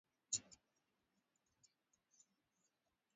wachaga waliyopo nje ya nchi wanasafiri kurudi nyumbani kwa ajiri ya sikukuu